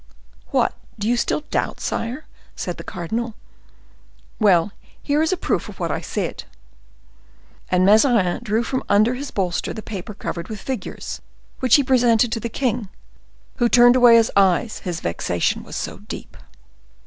"What, do you still doubt, sire?" said the cardinal. "Well, here is a proof of what I said." And Mazarin drew from under his bolster the paper covered with figures, which he presented to the king, who turned away his eyes, his vexation was so deep.